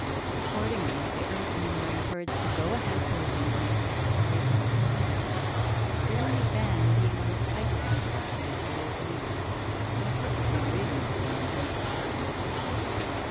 Accordingly, the Earthmen were encouraged to go ahead building on the sites originally selected, the only ban being on the type of construction materials used and a perfectly reasonable one under the circumstances.